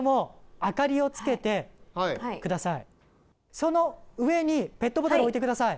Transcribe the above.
その上にペットボトル置いて下さい。